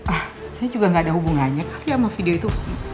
ah saya juga gak ada hubungannya kak ya sama video itu